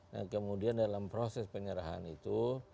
nah kemudian dalam proses penyerahan itu